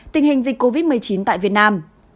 tình hình dịch covid một mươi chín tại việt nam